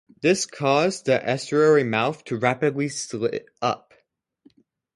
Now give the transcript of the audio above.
This caused the estuary mouth to rapidly silt up.